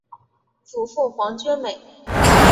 祖父黄厥美。